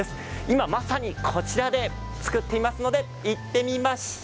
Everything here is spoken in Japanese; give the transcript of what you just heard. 今まさに、こちらで作っていますので行ってみましょう！